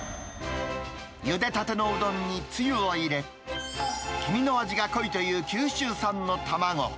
ゆでたてのうどんにつゆを入れ、黄身の味が濃いという九州産の卵。